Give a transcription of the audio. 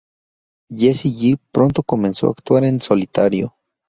Jessy J pronto comenzó a actuar en solitario.